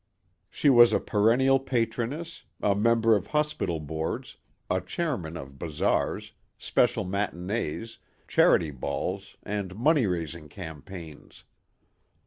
She was a perennial patroness, a member of hospital boards, a chairman of bazaars, special matinees, charity balls and money raising campaigns.